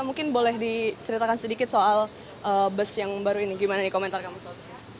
mungkin boleh diceritakan sedikit soal bus yang baru ini gimana komentar kamu soal busnya